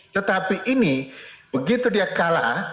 tetapi ini begitu dia kalah